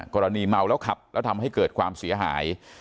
กรณีเมาแล้วขับแล้วทำให้เกิดความเสียหาย